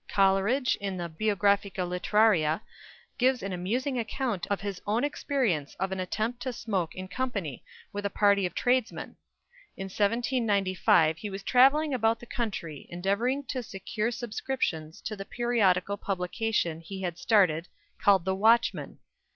Coleridge, in the "Biographia Literaria," gives an amusing account of his own experience of an attempt to smoke in company with a party of tradesmen. In 1795 he was travelling about the country endeavouring to secure subscriptions to the periodical publication he had started called The Watchman.